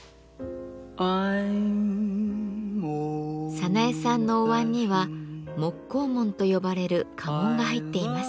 早苗さんのお椀には木瓜紋と呼ばれる家紋が入っています。